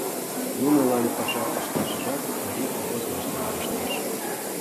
Нунылан паша ышташыжат марий колхозлаште верештеш.